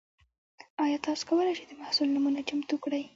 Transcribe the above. ایا تاسو کولی شئ د محصول نمونه چمتو کړئ؟